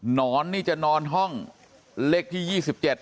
นอนนี่จะนอนห้องเลขที่๒๗